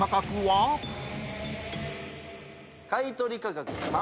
買い取り価格。